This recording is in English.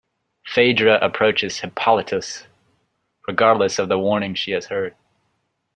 Phaedra approaches Hippolytus, regardless of the warnings she has heard.